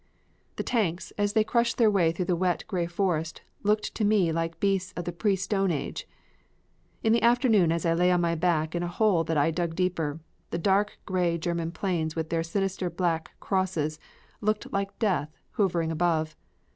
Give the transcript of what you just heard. The tanks, as they crushed their way through the wet, gray forest looked to me like beasts of the pre stone age. In the afternoon as I lay on my back in a hole that I dug deeper, the dark gray German planes with their sinister black crosses, looked like Death hovering above.